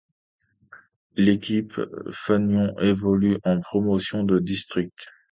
L'équipe fanion évolue en Promotion de District.